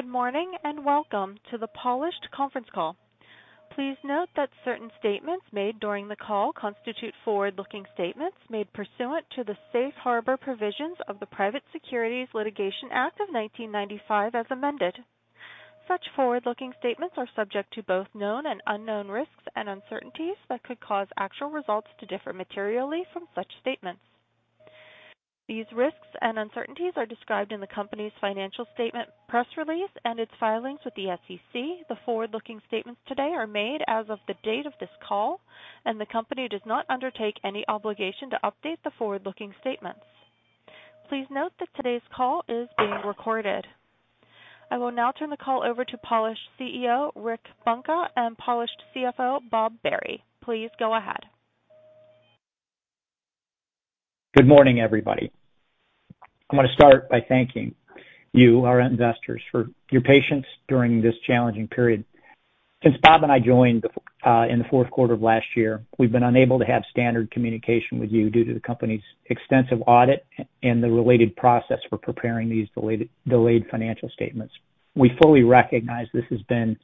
Good morning, welcome to the Polished conference call. Please note that certain statements made during the call constitute forward-looking statements made pursuant to the Safe Harbor Provisions of the Private Securities Litigation Reform Act of 1995, as amended. Such forward-looking statements are subject to both known and unknown risks and uncertainties that could cause actual results to differ materially from such statements. These risks and uncertainties are described in the company's financial statement, press release, and its filings with the SEC. The forward-looking statements today are made as of the date of this call, and the company does not undertake any obligation to update the forward-looking statements. Please note that today's call is being recorded. I will now turn the call over to Polished CEO, Rick Bunka, and Polished CFO, Bob Barry. Please go ahead. Good morning, everybody. I want to start by thanking you, our investors, for your patience during this challenging period. Since Bob and I joined in the fourth quarter of last year, we've been unable to have standard communication with you due to the company's extensive audit and the related process for preparing these delayed financial statements. We fully recognize this has been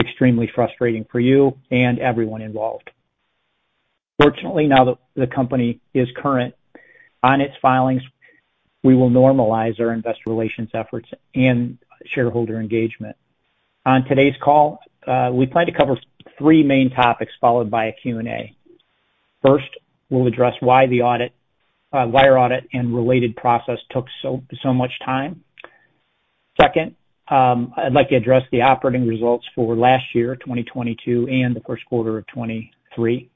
extremely frustrating for you and everyone involved. Fortunately, now that the company is current on its filings, we will normalize our investor relations efforts and shareholder engagement. On today's call, we plan to cover three main topics, followed by a Q&A. First, we'll address why our audit and related process took so much time. Second, I'd like to address the operating results for last year, 2022, and the first quarter of 2023.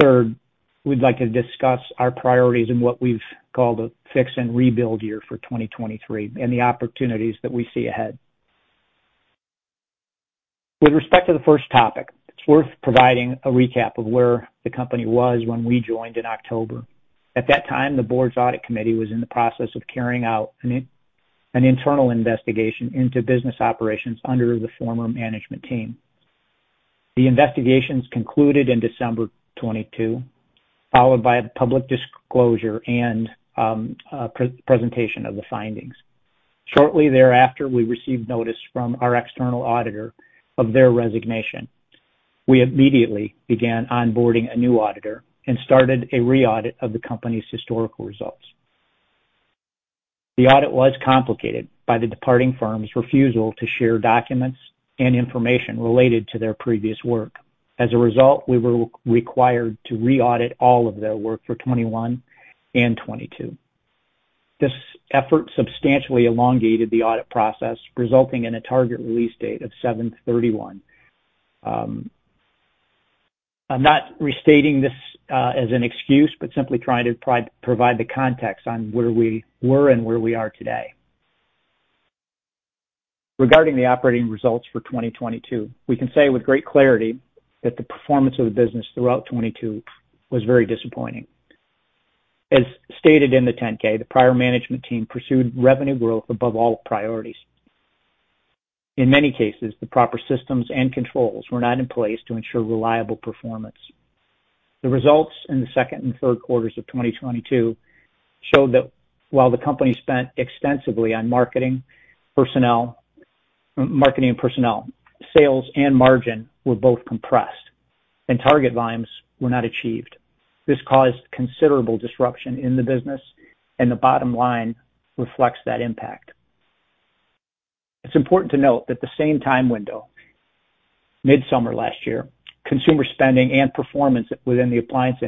Third, we'd like to discuss our priorities and what we've called a fix and rebuild year for 2023, and the opportunities that we see ahead. With respect to the first topic, it's worth providing a recap of where the company was when we joined in October. At that time, the board's audit committee was in the process of carrying out an internal investigation into business operations under the former management team. The investigations concluded in December 22, followed by a public disclosure and pre-presentation of the findings. Shortly thereafter, we received notice from our external auditor of their resignation. We immediately began onboarding a new auditor and started a re-audit of the company's historical results. The audit was complicated by the departing firm's refusal to share documents and information related to their previous work. As a result, we were required to re-audit all of their work for 2021 and 2022. This effort substantially elongated the audit process, resulting in a target release date of 7/31. I'm not restating this as an excuse, but simply trying to provide the context on where we were and where we are today. Regarding the operating results for 2022, we can say with great clarity that the performance of the business throughout 2022 was very disappointing. As stated in the 10-K, the prior management team pursued revenue growth above all priorities. In many cases, the proper systems and controls were not in place to ensure reliable performance. The results in the second and third quarters of 2022 showed that while the company spent extensively on marketing, marketing and personnel, sales and margin were both compressed, and target lines were not achieved. This caused considerable disruption in the business. The bottom line reflects that impact. It's important to note that the same time window, midsummer last year, consumer spending and performance within the appliance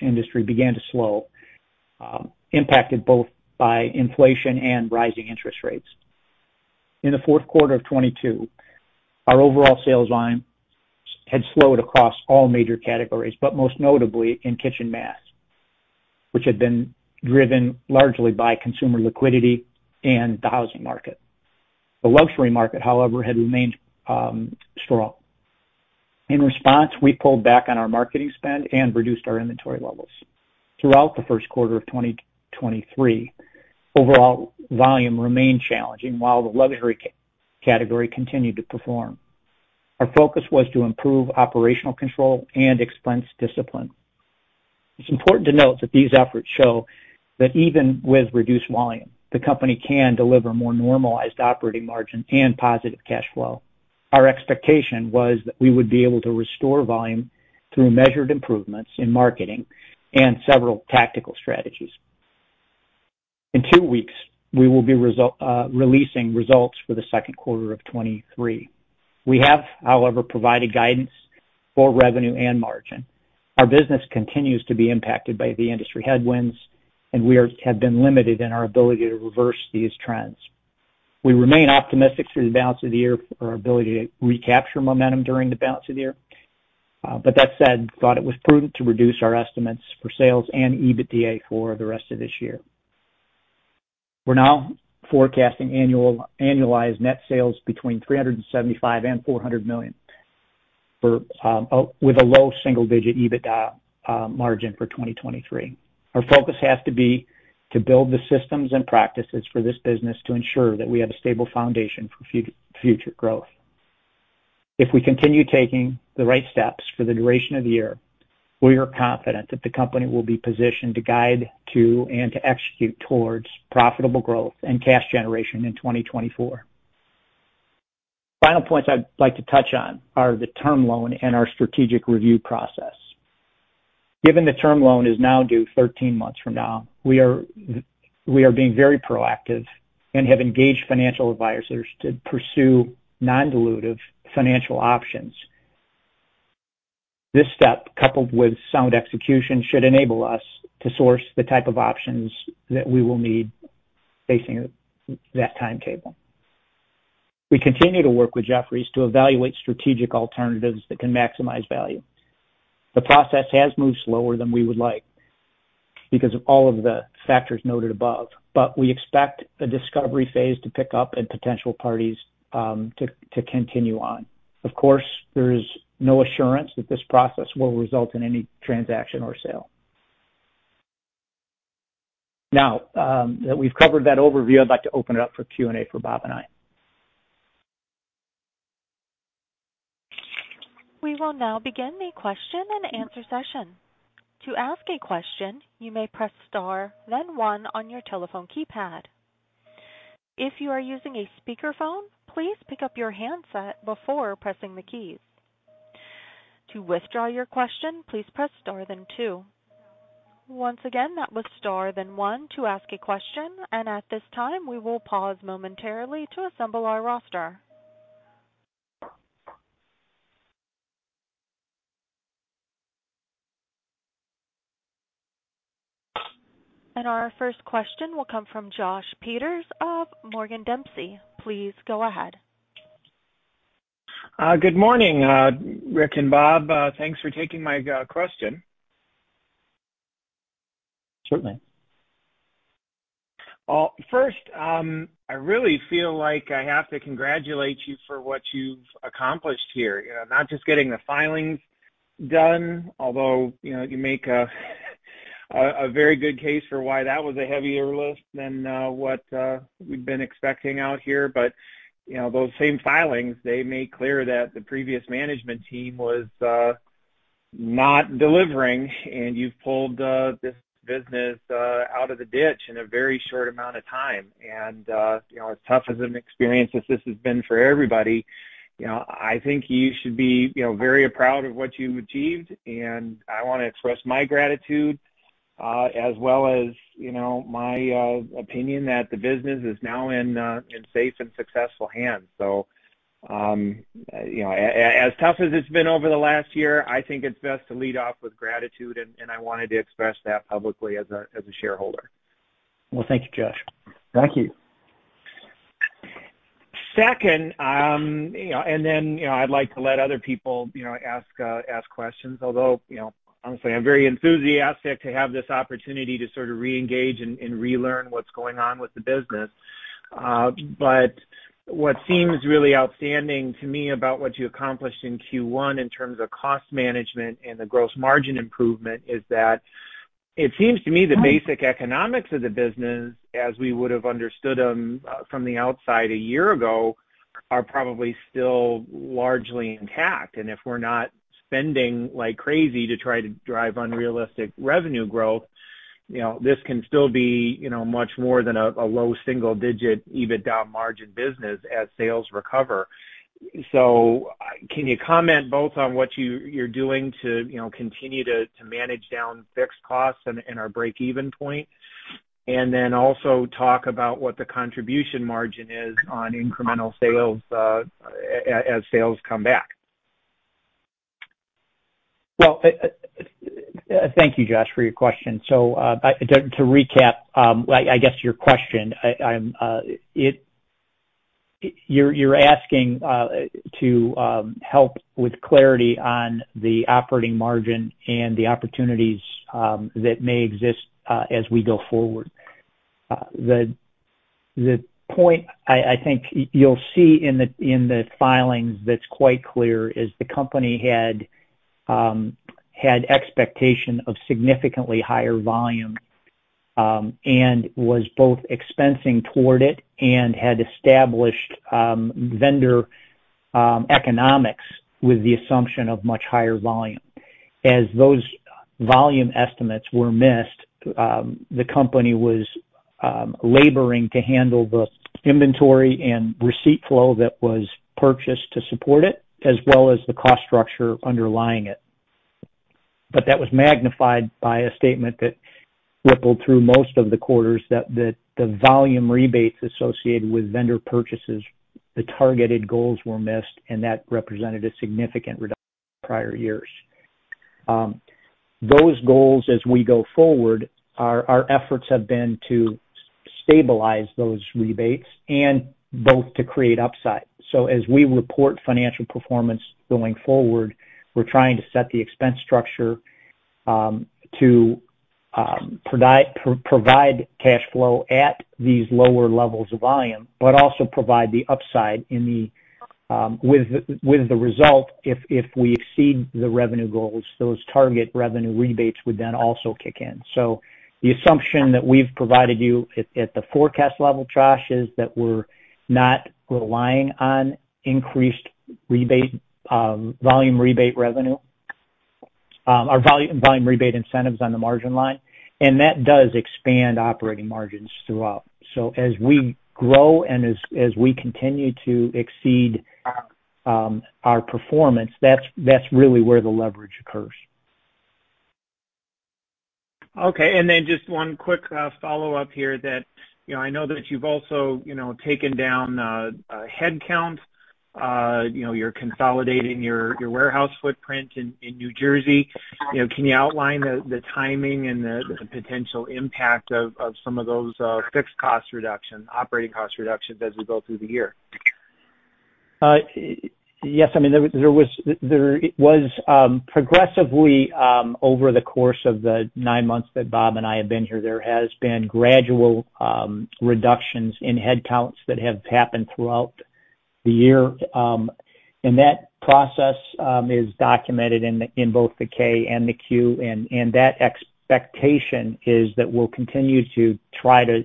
industry began to slow, impacted both by inflation and rising interest rates. In the fourth quarter of 2022, our overall sales line had slowed across all major categories, but most notably in kitchen mass, which had been driven largely by consumer liquidity and the housing market. The luxury market, however, had remained strong. In response, we pulled back on our marketing spend and reduced our inventory levels. Throughout the first quarter of 2023, overall volume remained challenging, while the luxury category continued to perform. Our focus was to improve operational control and expense discipline. It's important to note that these efforts show that even with reduced volume, the company can deliver more normalized operating margin and positive cash flow. Our expectation was that we would be able to restore volume through measured improvements in marketing and several tactical strategies. In two weeks, we will be releasing results for the second quarter of 2023. We have, however, provided guidance for revenue and margin. Our business continues to be impacted by the industry headwinds, and we have been limited in our ability to reverse these trends. We remain optimistic for the balance of the year for our ability to recapture momentum during the balance of the year, but that said, thought it was prudent to reduce our estimates for sales and EBITDA for the rest of this year. We're now forecasting annual-- annualized net sales between $375 million and $400 million for, with a low single-digit EBITDA margin for 2023. Our focus has to be to build the systems and practices for this business to ensure that we have a stable foundation for future growth. If we continue taking the right steps for the duration of the year, we are confident that the company will be positioned to guide to and to execute towards profitable growth and cash generation in 2024. Final points I'd like to touch on are the term loan and our strategic review process. Given the term loan is now due 13 months from now, we are being very proactive and have engaged financial advisors to pursue non-dilutive financial options. This step, coupled with sound execution, should enable us to source the type of options that we will need facing that timetable. We continue to work with Jefferies to evaluate strategic alternatives that can maximize value. The process has moved slower than we would like because of all of the factors noted above. We expect the discovery phase to pick up and potential parties to continue on. Of course, there is no assurance that this process will result in any transaction or sale. Now that we've covered that overview, I'd like to open it up for Q&A for Bob and I. We will now begin the question and answer session. To ask a question, you may press star, then one on your telephone keypad. If you are using a speakerphone, please pick up your handset before pressing the keys. To withdraw your question, please press star then two. Once again, that was star then 1 to ask a question. At this time, we will pause momentarily to assemble our roster. Our first question will come from Josh Peters of Morgan Dempsey. Please go ahead. Good morning, Rick and Bob. Thanks for taking my question. Certainly. First, I really feel like I have to congratulate you for what you've accomplished here. You know, not just getting the filings done, although, you know, you make a, a, a very good case for why that was a heavier lift than what we've been expecting out here. You know, those same filings, they made clear that the previous management team was not delivering, and you've pulled this business out of the ditch in a very short amount of time. You know, as tough as an experience as this has been for everybody, you know, I think you should be, you know, very proud of what you've achieved, and I wanna express my gratitude, as well as, you know, my opinion that the business is now in safe and successful hands. you know, as tough as it's been over the last year, I think it's best to lead off with gratitude, and, and I wanted to express that publicly as a, as a shareholder. Well, thank you, Josh. Thank you. Second, you know, I'd like to let other people, you know, ask questions. Although, you know, honestly, I'm very enthusiastic to have this opportunity to sort of reengage and relearn what's going on with the business. What seems really outstanding to me about what you accomplished in Q1 in terms of cost management and the gross margin improvement, is that it seems to me the basic economics of the business, as we would have understood them, from the outside a year ago, are probably still largely intact. If we're not spending like crazy to try to drive unrealistic revenue growth, you know, this can still be, you know, much more than a low single digit EBITDA margin business as sales recover. Can you comment both on what you're doing to, you know, continue to, to manage down fixed costs and, and our break-even point, and then also talk about what the contribution margin is on incremental sales, as sales come back? Thank you, Josh, for your question. To, to recap, like, I guess, your question, I'm You're asking to help with clarity on the operating margin and the opportunities that may exist as we go forward. The, the point I think you'll see in the, in the filings that's quite clear, is the company had expectation of significantly higher volume and was both expensing toward it and had established vendor economics with the assumption of much higher volume. As those volume estimates were missed, the company was laboring to handle the inventory and receipt flow that was purchased to support it, as well as the cost structure underlying it. That was magnified by a statement that rippled through most of the quarters, that, that the volume rebates associated with vendor purchases, the targeted goals were missed, and that represented a significant reduction prior years. Those goals, as we go forward, our, our efforts have been to stabilize those rebates and both to create upside. As we report financial performance going forward, we're trying to set the expense structure to provide cash flow at these lower levels of volume, but also provide the upside in the with the result if, if we exceed the revenue goals, those target revenue rebates would then also kick in. The assumption that we've provided you at, at the forecast level, Josh, is that we're not relying on increased rebate, volume rebate revenue. Our volume rebate incentives on the margin line, that does expand operating margins throughout. As we grow and as, as we continue to exceed, our performance, that's, that's really where the leverage occurs. Okay. Just one quick follow-up here that, you know, I know that you've also, you know, taken down headcount, you know, you're consolidating your, your warehouse footprint in New Jersey. You know, can you outline the timing and the potential impact of some of those fixed cost reduction, operating cost reductions as we go through the year? Yes, I mean, there, there was, there was, progressively, over the course of the nine months that Bob and I have been here, there has been gradual, reductions in headcounts that have happened throughout the year. That process is documented in both the K and the Q, and that expectation is that we'll continue to try to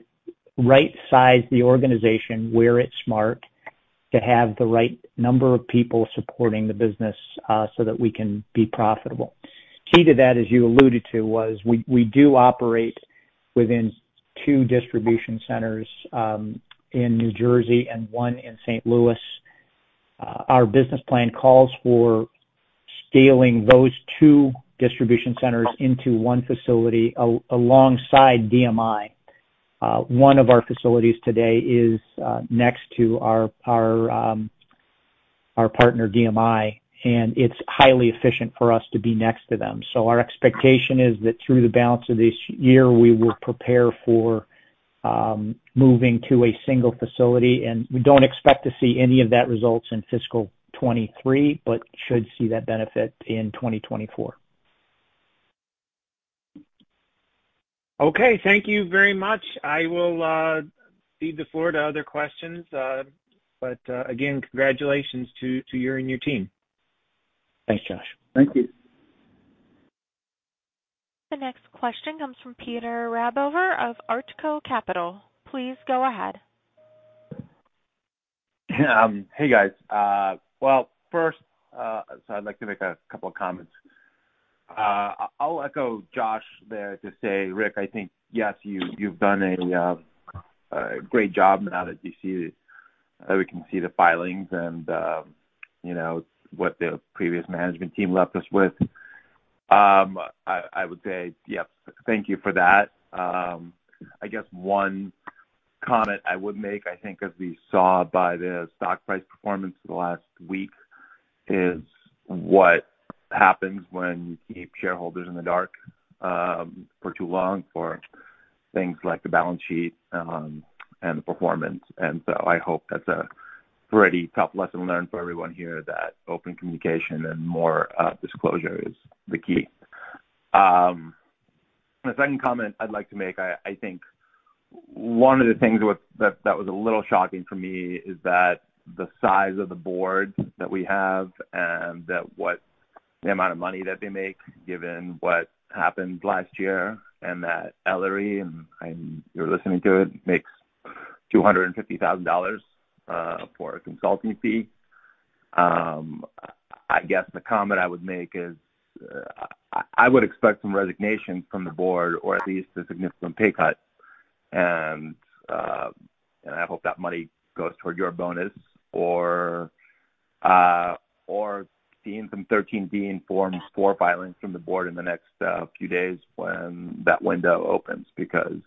right-size the organization where it's smart to have the right number of people supporting the business, so that we can be profitable. Key to that, as you alluded to, was we, we do operate within two distribution centers, in New Jersey and one in St. Louis. Our business plan calls for scaling those two distribution centers into one facility alongside DMI. One of our facilities today is next to our, our, our partner, DMI, and it's highly efficient for us to be next to them. Our expectation is that through the balance of this year, we will prepare for moving to a single facility, and we don't expect to see any of that results in fiscal 2023, but should see that benefit in 2024. Okay, thank you very much. I will, cede the floor to other questions. Again, congratulations to you and your team. Thanks, Josh. Thank you. The next question comes from Peter Rabover of Artko Capital. Please go ahead. Hey, guys. Well, first, I'd like to make a couple of comments. I'll echo Josh there to say, Rick, I think, yes, you've done a great job now that we can see the filings and, you know, what the previous management team left us with. I, I would say, yep, thank you for that. I guess one comment I would make, I think, as we saw by the stock price performance the last week, is what happens when you keep shareholders in the dark for too long, for things like the balance sheet and the performance. I hope that's a pretty tough lesson learned for everyone here, that open communication and more disclosure is the key. The second comment I'd like to make, I, I think one of the things was, that, that was a little shocking for me, is that the size of the board that we have and that what the amount of money that they make, given what happened last year, and that Ellery, and I'm -- you're listening to it, makes $250,000 for a consulting fee. I guess the comment I would make is, I would expect some resignations from the board or at least a significant pay cut. I hope that money goes toward your bonus or, or seeing some Schedule 13D forms for filings from the board in the next few days when that window opens, because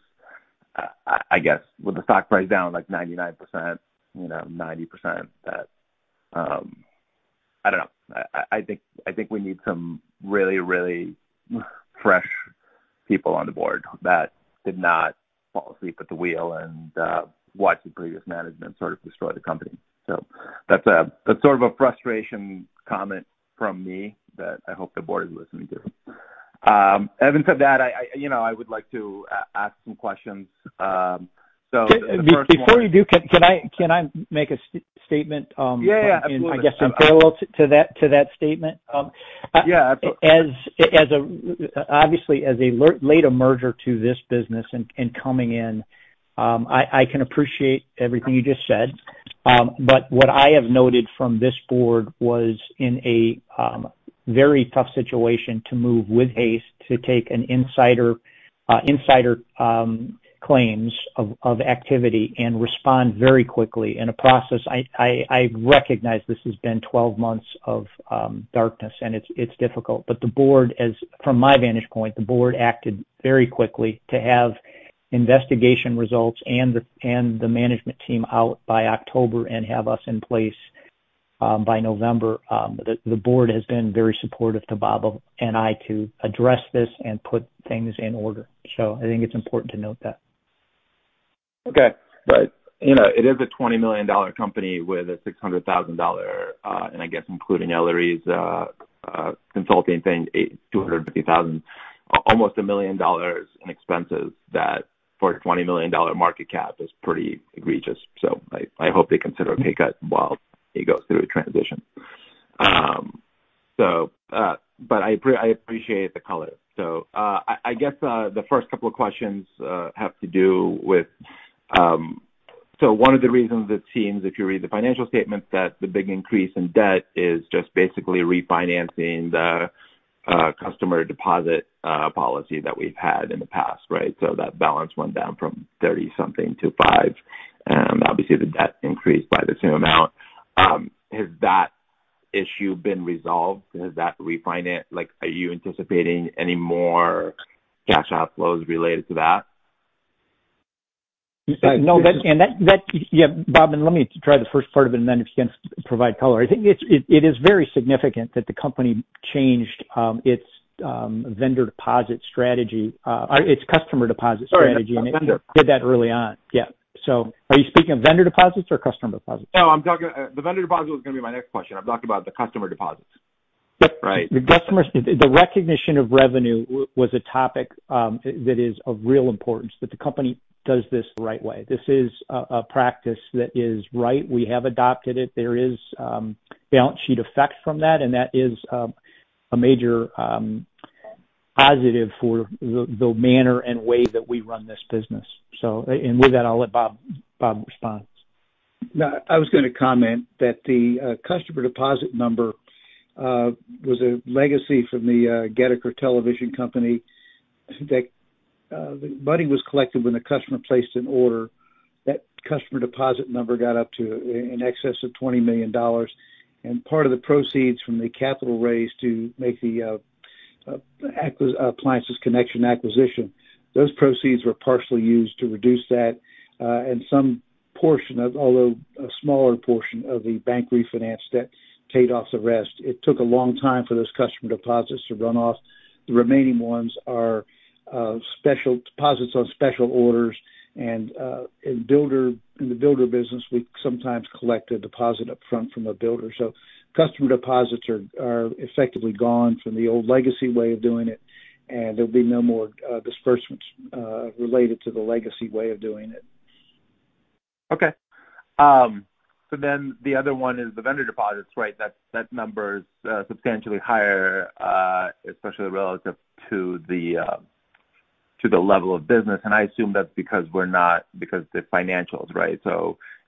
I, I guess with the stock price down, like, 99%, you know, 90%, that... I don't know. I, I think, I think we need some really, really fresh people on the board that did not fall asleep at the wheel and watch the previous management sort of destroy the company. That's a, that's sort of a frustration comment from me that I hope the board is listening to. Having said that, I, I, you know, I would like to ask some questions. Before you do, can, can I, can I make a statement. Yeah, yeah, absolutely. I guess in parallel to, to that, to that statement? Yeah. As, as a, obviously as a later merger to this business and, and coming in, I, I can appreciate everything you just said. What I have noted from this board was in a very tough situation to move with haste, to take an insider, insider claims of activity and respond very quickly in a process I, I, I recognize this has been 12 months of darkness, and it's difficult. The board, as from my vantage point, the board acted very quickly to have investigation results and the, and the management team out by October and have us in place by November. The, the board has been very supportive to Bob and I to address this and put things in order. I think it's important to note that. Okay. You know, it is a $20 million company with a $600,000, and I guess including Ellery's consulting thing, $250,000, almost $1 million in expenses that for a $20 million market cap is pretty egregious. I, I hope they consider a pay cut while he goes through a transition. I appreciate the color. I, I guess, the first couple of questions have to do with. One of the reasons it seems, if you read the financial statement, that the big increase in debt is just basically refinancing the customer deposit policy that we've had in the past, right? That balance went down from thirty something to five, and obviously, the debt increased by the same amount. Has that issue been resolved? Has that refinance-- Like, are you anticipating any more cash outflows related to that? No, that, Yeah, Bob, and let me try the first part of it, and then if you can provide color. I think it's very significant that the company changed its vendor deposit strategy or its customer deposit strategy. Sorry, vendor. Did that early on. Yeah. Are you speaking of vendor deposits or customer deposits? No, I'm talking... the vendor deposit was gonna be my next question. I'm talking about the customer deposits. Yep. Right. The customer, the recognition of revenue was a topic, that is of real importance, that the company does this the right way. This is a, a practice that is right. We have adopted it. There is balance sheet effect from that, and that is a major positive for the, the manner and way that we run this business. And with that, I'll let Bob, Bob respond. No, I was gonna comment that the customer deposit number was a legacy from the Goedeker Television Co., that money was collected when the customer placed an order. That customer deposit number got up to in excess of $20 million, part of the proceeds from the capital raise to make the Appliances Connection acquisition, those proceeds were partially used to reduce that, and some portion of, although a smaller portion of the bank refinance debt, paid off the rest. It took a long time for those customer deposits to run off. The remaining ones are special deposits on special orders and builder, in the builder business, we sometimes collect a deposit upfront from a builder. Customer deposits are, are effectively gone from the old legacy way of doing it, and there'll be no more disbursements related to the legacy way of doing it. Okay. The other one is the vendor deposits, right? That, that number is substantially higher, especially relative to the to the level of business. I assume that's because we're not, because the financials, right?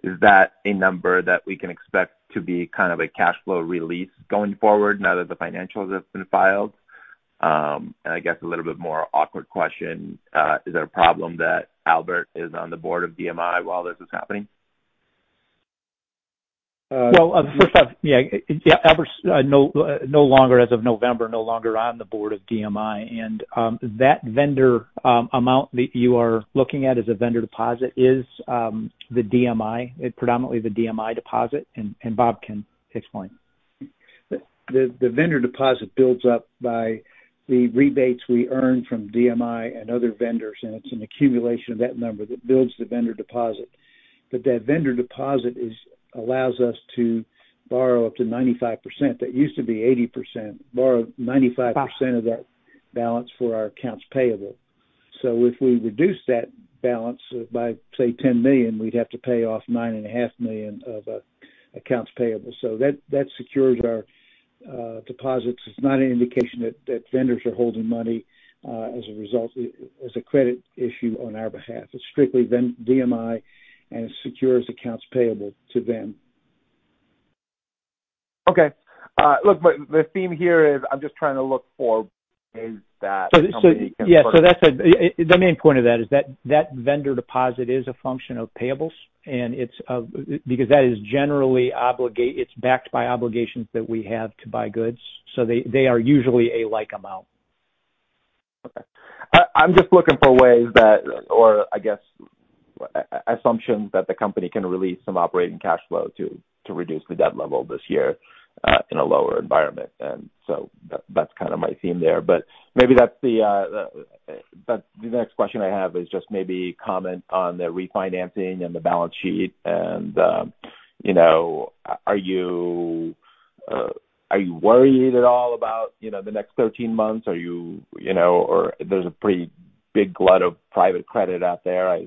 Is that a number that we can expect to be kind of a cash flow release going forward now that the financials have been filed? I guess a little bit more awkward question, is there a problem that Albert is on the board of DMI while this is happening? Well, first off, yeah, yeah, Albert's no, no longer, as of November, no longer on the board of DMI. That vendor amount that you are looking at as a vendor deposit is the DMI, predominantly the DMI deposit, and Bob can explain. The, the vendor deposit builds up by the rebates we earn from DMI and other vendors, and it's an accumulation of that number that builds the vendor deposit. That vendor deposit allows us to borrow up to 95%. That used to be 80%, borrow 95% of that balance for our accounts payable. If we reduce that balance by, say, $10 million, we'd have to pay off $9.5 million of accounts payable. That, that secures our deposits. It's not an indication that, that vendors are holding money as a result, as a credit issue on our behalf. It's strictly DMI, and it secures accounts payable to them. Okay. look, the theme here is, I'm just trying to look for ways that. So, yeah, so that's the main point of that is that that vendor deposit is a function of payables, and it's because that is generally It's backed by obligations that we have to buy goods, so they, they are usually a like amount. Okay. I, I'm just looking for ways that, or I guess, a- assumptions that the company can release some operating cash flow to, to reduce the debt level this year, in a lower environment. That's kind of my theme there. Maybe that's the next question I have is just maybe comment on the refinancing and the balance sheet and, you know, are you, are you worried at all about, you know, the next 13 months? Are you, you know, there's a pretty big glut of private credit out there. I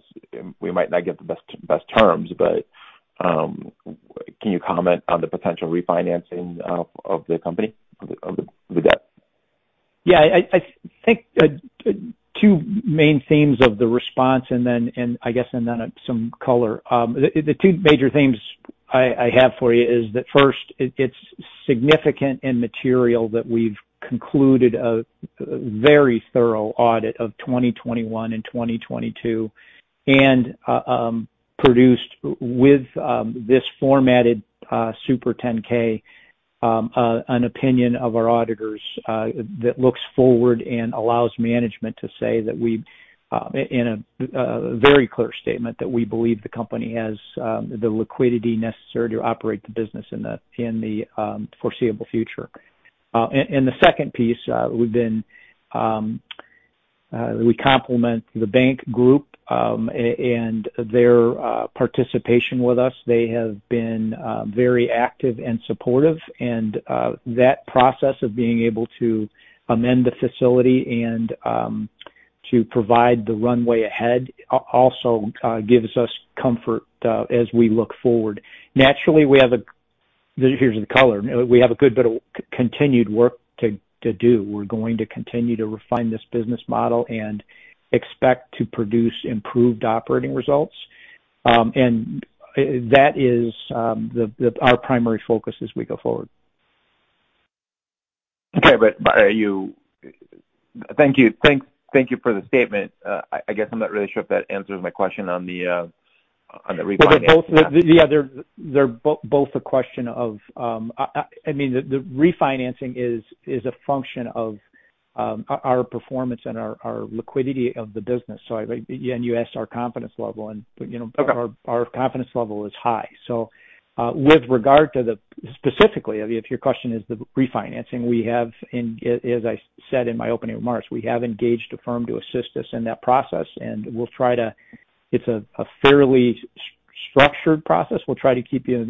we might not get the best, best terms, can you comment on the potential refinancing of the company, of the debt? Yeah, I, I think, two main themes of the response and then, and I guess, and then some color. The, the two major themes I, I have for you is that first, it- it's significant and material that we've concluded a, a very thorough audit of 2021 and 2022, and produced with this formatted Super 10-K, an opinion of our auditors that looks forward and allows management to say that we in a very clear statement, that we believe the company has the liquidity necessary to operate the business in the, in the foreseeable future. The second piece, we've been, we complement the bank group, a- and their participation with us. They have been very active and supportive and that process of being able to amend the facility and to provide the runway ahead, also gives us comfort as we look forward. Naturally, we have. Here's the color. We have a good bit of continued work to, to do. We're going to continue to refine this business model and expect to produce improved operating results. That is our primary focus as we go forward. Okay. Are you-- Thank you. Thank, thank you for the statement. I guess I'm not really sure if that answers my question on the, on the refinance. Yeah, they're both, yeah, they're, they're both a question of, I mean, the, the refinancing is, is a function of, our, our performance and our, our liquidity of the business. I, and you asked our confidence level, and, you know. Okay. Our confidence level is high. With regard to the specifically, if your question is the refinancing, we have, and as I said in my opening remarks, we have engaged a firm to assist us in that process, and we'll try to. It's a fairly structured process. We'll try to keep you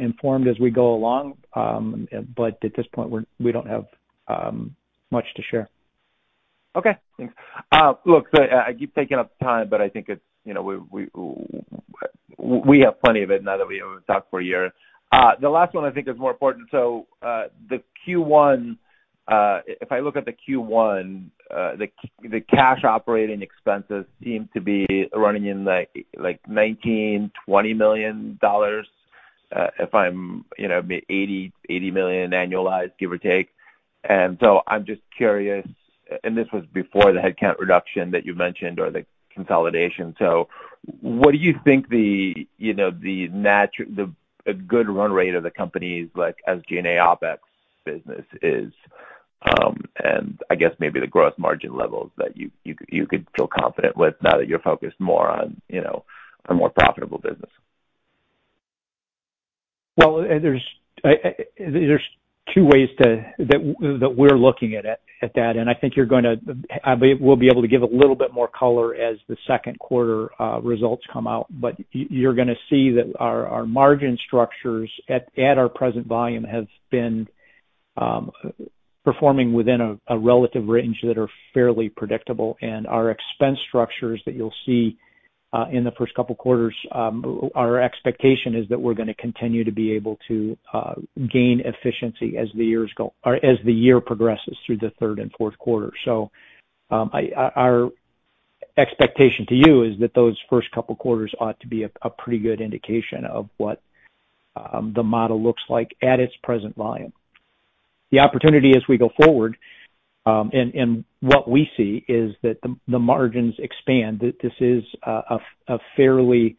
informed as we go along, but at this point, we're, we don't have much to share. Okay. Thanks. Look, I keep taking up time, but I think it's, you know, we, we, we have plenty of it now that we haven't talked for a year. The last one I think is more important. The Q1, if I look at the Q1, the, the cash operating expenses seem to be running in, like, like $19 million-$20 million. If I'm, you know, $80 million annualized, give or take. I'm just curious, and this was before the headcount reduction that you mentioned or the consolidation. What do you think the, you know, the natural, the, a good run rate of the company is like as G&A OpEx business is? I guess maybe the gross margin levels that you, you could, you could feel confident with now that you're focused more on, you know, a more profitable business. There's, there's two ways to, that, that we're looking at it, at that, and I think you're going to, we'll be able to give a little bit more color as the second quarter results come out. You, you're gonna see that our, our margin structures at, at our present volume have been performing within a, a relative range that are fairly predictable. Our expense structures that you'll see in the first couple quarters, our expectation is that we're gonna continue to be able to gain efficiency as the years go or as the year progresses through the third and fourth quarter. I, our expectation to you is that those first couple quarters ought to be a, a pretty good indication of what the model looks like at its present volume. The opportunity as we go forward, and what we see is that the, the margins expand. That this is, a fairly,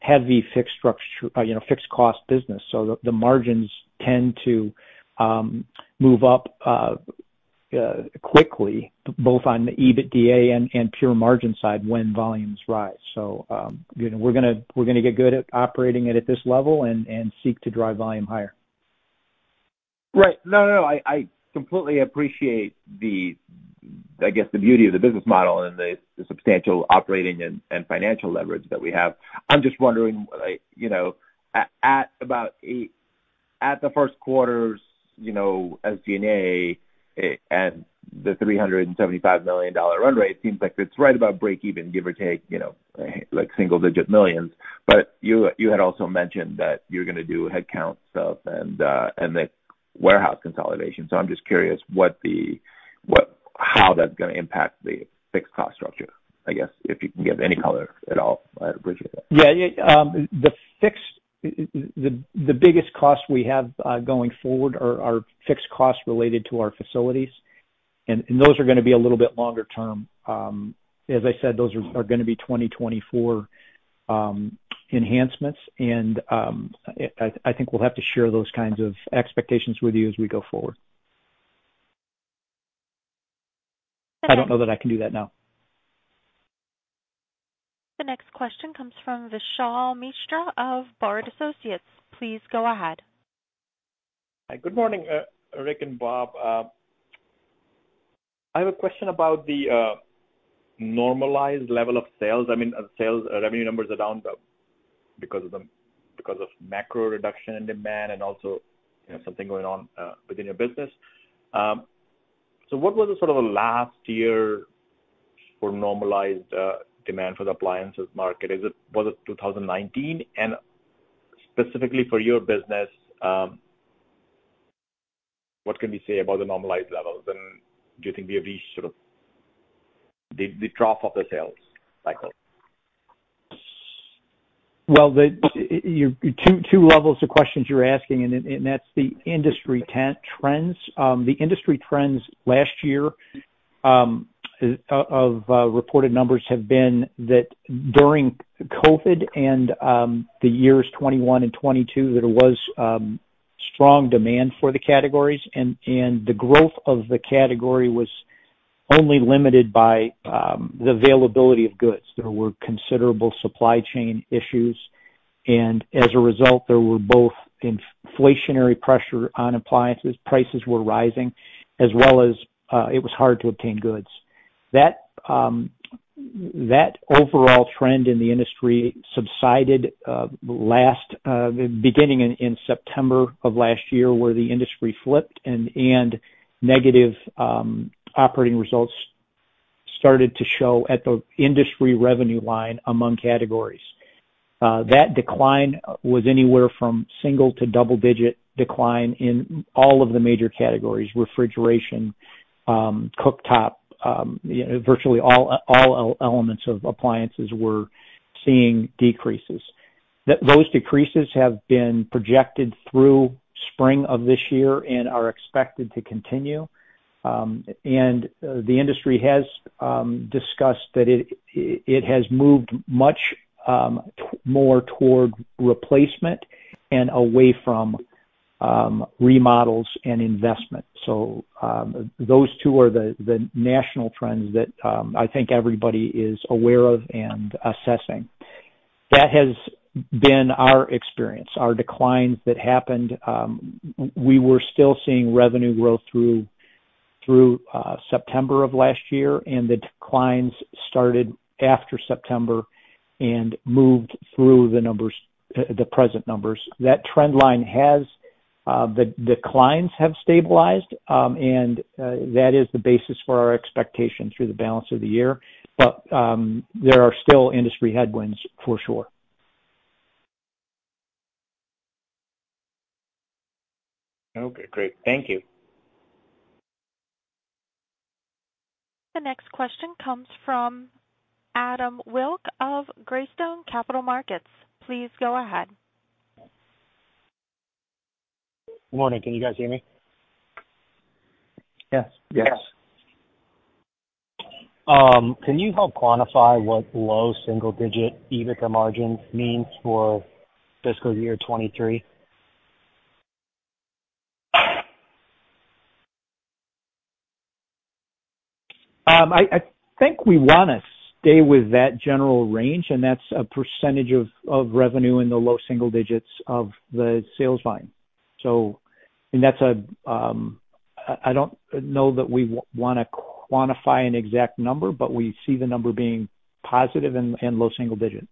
heavy fixed structure, you know, fixed cost business, so the, the margins tend to, move up, quickly, both on the EBITDA and pure margin side when volumes rise. You know, we're gonna get good at operating it at this level and seek to drive volume higher. Right. No, no, I, I completely appreciate the, I guess, the beauty of the business model and the, the substantial operating and, and financial leverage that we have. I'm just wondering, like, you know, at, at about eight- at the 1st quarter's, you know, as G&A and the $375 million run rate, seems like it's right about break even, give or take, you know, like, single-digit millions. You, you had also mentioned that you're gonna do headcount stuff and the warehouse consolidation. I'm just curious what the, how that's gonna impact the fixed cost structure. I guess, if you can give any color at all, I'd appreciate that. Yeah. Yeah, the biggest cost we have, going forward are fixed costs related to our facilities, and those are gonna be a little bit longer term. As I said, those are gonna be 2024 enhancements. I think we'll have to share those kinds of expectations with you as we go forward. I don't know that I can do that now. The next question comes from Vishal Mishra of Bard Associates. Please go ahead. Hi, good morning, Rick and Bob. I have a question about the normalized level of sales. I mean, sales, revenue numbers are down because of the, because of macro reduction in demand and also, you know, something going on within your business. What was the sort of a last year for normalized demand for the appliances market? Was it 2019? Specifically for your business, what can we say about the normalized levels, and do you think we have reached sort of the trough of the sales cycle? The two, two levels of questions you're asking, and that's the industry trends. The industry trends last year, of reported numbers have been that during COVID and the years 2021 and 2022, there was strong demand for the categories, and the growth of the category was only limited by the availability of goods. There were considerable supply chain issues, and as a result, there were both inflationary pressure on appliances, prices were rising, as well as it was hard to obtain goods. That overall trend in the industry subsided last beginning in September of last year, where the industry flipped and negative operating results started to show at the industry revenue line among categories. That decline was anywhere from single- to double-digit decline in all of the major categories: refrigeration, cooktop, virtually all elements of appliances were seeing decreases. Those decreases have been projected through spring of this year and are expected to continue. The industry has discussed that it has moved much more toward replacement and away from remodels and investment. Those two are the national trends that I think everybody is aware of and assessing. That has been our experience, our declines that happened, we were still seeing revenue growth through September of last year, and the declines started after September and moved through the numbers, the present numbers. That trend line has the declines have stabilized, and that is the basis for our expectation through the balance of the year. There are still industry headwinds, for sure. Okay, great. Thank you. The next question comes from Adam Wilk of Greystone Capital Management. Please go ahead. Morning. Can you guys hear me? Yes. Yes. Can you help quantify what low single digit EBITDA margin means for fiscal year 2023? I think we want to stay with that general range, and that's a % of, of revenue in the low single digits of the sales line. That's a, I don't know that we wanna quantify an exact number, but we see the number being positive and, and low single digit.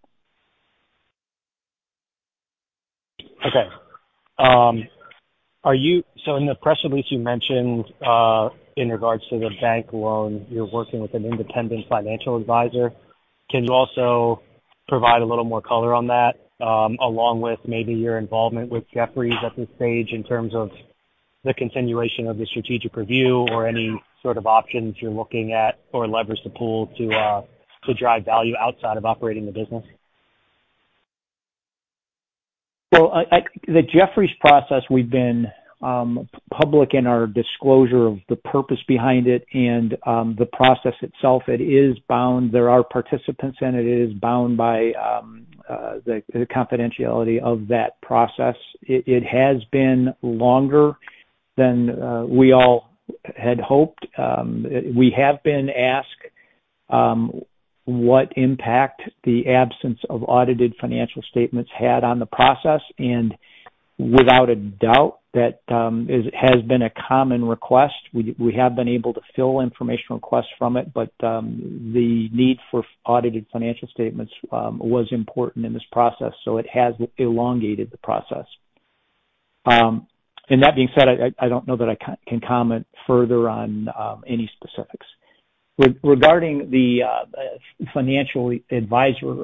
Okay. In the press release you mentioned, in regards to the bank loan, you're working with an independent financial advisor. Can you also provide a little more color on that, along with maybe your involvement with Jefferies at this stage, in terms of the continuation of the strategic review or any sort of options you're looking at, or leverage the pool to, to drive value outside of operating the business? I, I, the Jefferies process, we've been public in our disclosure of the purpose behind it and the process itself. It is bound. There are participants, and it is bound by the confidentiality of that process. It, it has been longer than we all had hoped. We have been asked what impact the absence of audited financial statements had on the process, and without a doubt, that has been a common request. We, we have been able to fill information requests from it, but the need for audited financial statements was important in this process, so it has elongated the process. And that being said, I, I don't know that I can comment further on any specifics. Regarding the financial advisor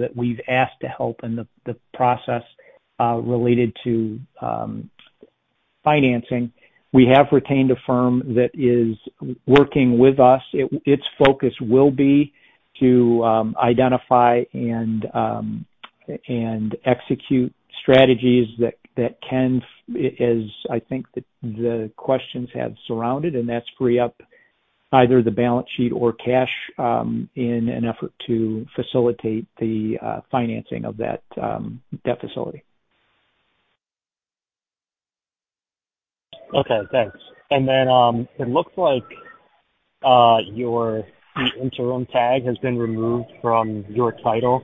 that we've asked to help in the process related to financing, we have retained a firm that is working with us. Its focus will be to identify and execute strategies that can, as I think the questions have surrounded, and that's free up either the balance sheet or cash, in an effort to facilitate the financing of that debt facility. Okay, thanks. It looks like, the interim tag has been removed from your title,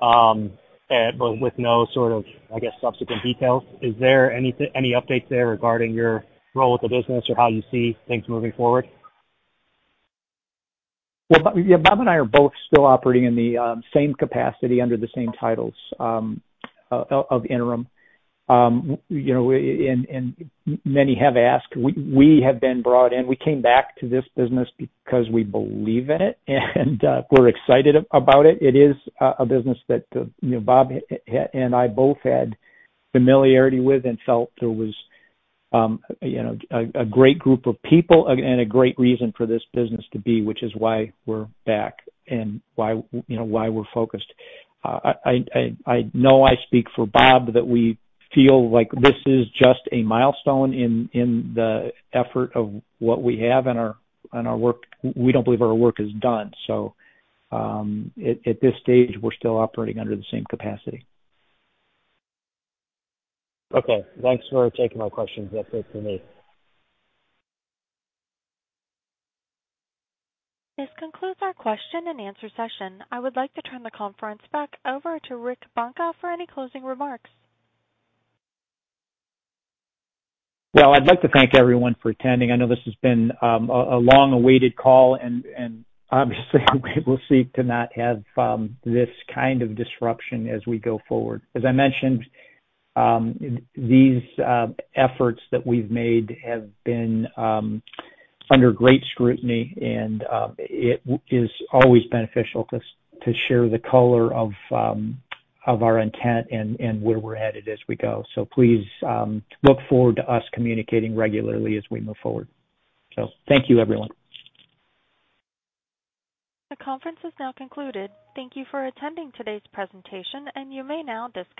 but with no sort of, I guess, subsequent details. Is there any update there regarding your role with the business or how you see things moving forward? Well, Bob, yeah, Bob and I are both still operating in the same capacity under the same titles of interim. You know, many have asked, we came back to this business because we believe in it, and we're excited about it. It is a business that, you know, Bob and I both had familiarity with and felt there was, you know, a great group of people and a great reason for this business to be, which is why we're back and why, you know, why we're focused. I know I speak for Bob, that we feel like this is just a milestone in the effort of what we have and our work. We don't believe our work is done. At, at this stage, we're still operating under the same capacity. Okay. Thanks for taking my questions. That's it for me. This concludes our question and answer session. I would like to turn the conference back over to Rick Bunka for any closing remarks. Well, I'd like to thank everyone for attending. I know this has been a long-awaited call, and obviously we will seek to not have this kind of disruption as we go forward. As I mentioned, these efforts that we've made have been under great scrutiny, and it is always beneficial to share the color of our intent and where we're headed as we go. Please look forward to us communicating regularly as we move forward. Thank you, everyone. The conference is now concluded. Thank you for attending today's presentation, and you may now disconnect.